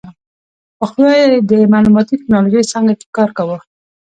پخوا یې د معلوماتي ټیکنالوژۍ څانګه کې کار کاوه.